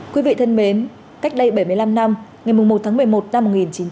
quý vị thân mến cách đây bảy mươi năm năm ngày một tháng một mươi một năm một nghìn chín trăm bảy mươi